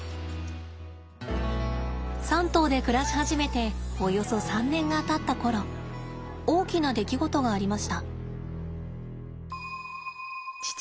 ３頭で暮らし始めておよそ３年がたった頃大きな出来事がありました。